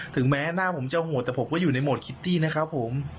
ถึงแม้หน้าผมจะโหดแต่ผมก็อยู่ในโหมดคิตตี้นะครับผม